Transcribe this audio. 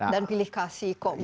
dan pilih kasih kok boleh buka